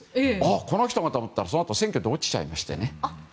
この人がと思ったら、そのあと選挙で落ちちゃいましてね。